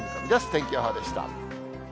天気予報でした。